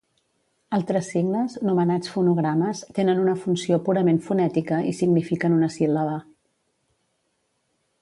Altres signes, nomenats fonogrames, tenen una funció purament fonètica i signifiquen una síl·laba.